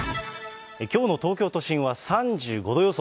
きょうの東京都心は３５度予想。